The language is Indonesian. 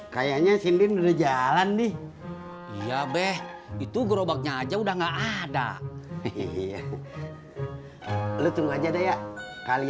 kayaknya sindin udah jalan nih iya be itu gerobaknya aja udah nggak ada hehehe lu tunggu aja daya kali